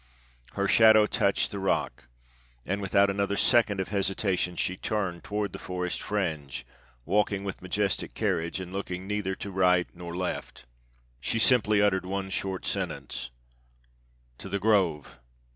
Her shadow touched the rock, and without another second of hesitation she turned toward the forest fringe, walking with majestic carriage and looking neither to right nor left. She simply uttered one short sentence: "To the Grove!"